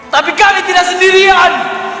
tapi kami tidak sendirian